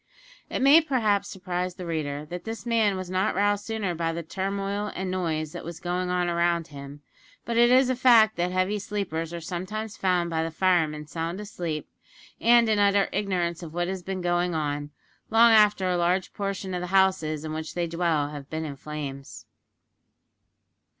It may perhaps surprise the reader that this man was not roused sooner by the turmoil and noise that was going on around him, but it is a fact that heavy sleepers are sometimes found by the firemen sound asleep, and in utter ignorance of what has been going on, long after a large portion of the houses in which they dwell have been in flames.